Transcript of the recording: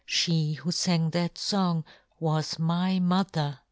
She " who fang that fong was my mo " ther!"